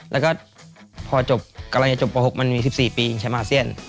แล้วก็พอจบกำลังจะจบป๖มันมี๑๔ปีแชมป์อาเซียน